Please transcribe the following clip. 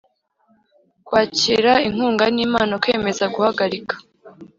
Kwakira inkunga n impano Kwemeza guhagarika